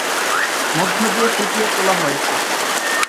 মধ্য দিয়ে ফুটিয়ে তোলা হয়েছে।